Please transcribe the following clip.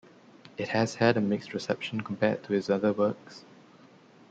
It has had a mixed reception compared to his other works.